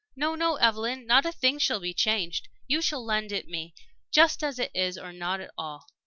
"No, no, Evelyn. Not a thing shall be changed. You shall lend it me just as it is or not at all.